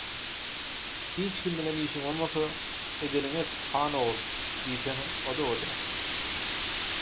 Hiç kim bilen işiň bolmasa, «edeniňi et, han ogul» diýseň – o-da bolýar.